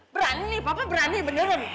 berani papa berani beneran